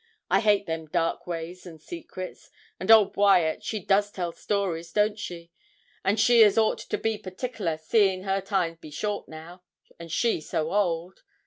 I hate them dark ways, and secrets; and old Wyat she does tell stories, don't she? and she as ought to be partickler, seein' her time be short now, and she so old.